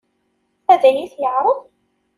Ad iyi-t-yeɛṛeḍ?